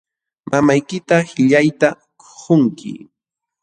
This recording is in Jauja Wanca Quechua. Mamaykita qillayta qunki.